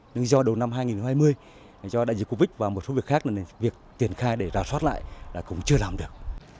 nhưng do đầu năm hai nghìn hai mươi do đại dịch covid và một số việc khác nên việc tiền khai để rà soát lại là cũng chưa làm được